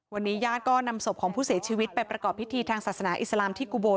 วันนี้ญาติก็นำศพของผู้เสียชีวิตไปประกอบพิธีทางศาสนาอิสลามที่กุโบ